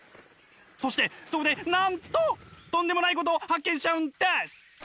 そしてそこでなんととんでもないことを発見しちゃうんです！